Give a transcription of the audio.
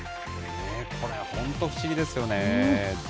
これ、本当に不思議ですよね。